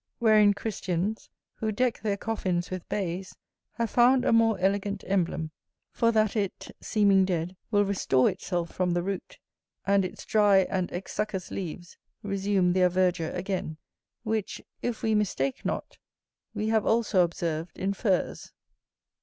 Wherein Christians, who deck their coffins with bays, have found a more elegant emblem; for that it, seeming dead, will restore itself from the root, and its dry and exsuccous leaves resume their verdure again; which, if we mistake not, we have also observed in furze.